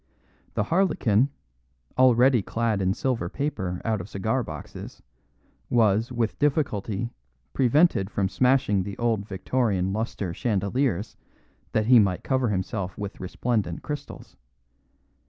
The harlequin, already clad in silver paper out of cigar boxes, was, with difficulty, prevented from smashing the old Victorian lustre chandeliers, that he might cover himself with resplendent crystals.